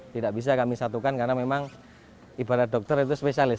tidak bisa kami satukan karena memang ibarat dokter itu spesialis